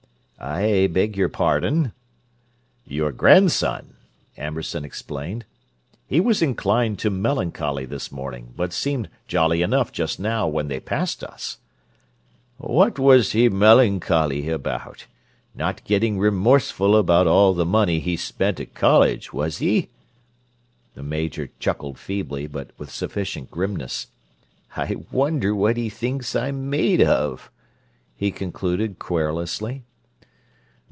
"I beg your pardon." "Your grandson," Amberson explained. "He was inclined to melancholy this morning, but seemed jolly enough just now when they passed us." "What was he melancholy about? Not getting remorseful about all the money he's spent at college, was he?" The Major chuckled feebly, but with sufficient grimness. "I wonder what he thinks I'm made of," he concluded querulously.